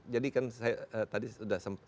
jadi kan saya tadi sudah sempat